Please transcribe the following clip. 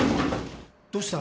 どうした？